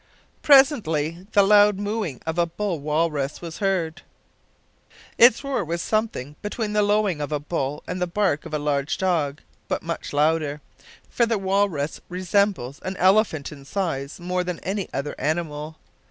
Presently the loud mooing of a bull walrus was heard. Its roar was something between the lowing of a bull and the bark of a large dog, but much louder, for the walrus resembles an elephant in size more than any other animal.